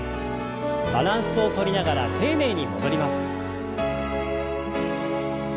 バランスをとりながら丁寧に戻ります。